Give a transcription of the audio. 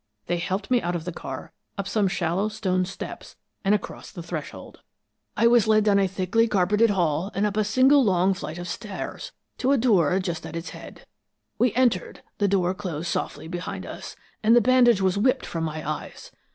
They helped me out of the car, up some shallow stone steps and across the threshold. "I was led down a thickly carpeted hall and up a single long flight of stairs, to a door just at its head. We entered; the door closed softly behind us; and the bandage was whipped from my eyes.